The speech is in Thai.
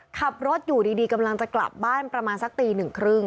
ขับรถอยู่ดีกำลังจะกลับบ้านประมาณสักตีหนึ่งครึ่ง